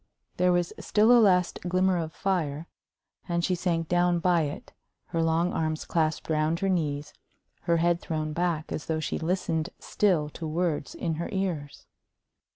There was still a last glimmer of fire, and she sank down by it, her long arms clasped round her knees, her head thrown back as though she listened still to words in her ears.